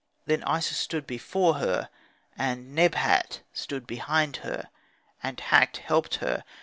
Then Isis stood before her, and Nebhat stood behind her, and Hakt helped her.